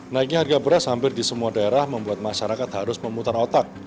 naiknya harga beras hampir di semua daerah membuat masyarakat harus memutar otak